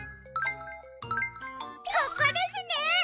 ここですね！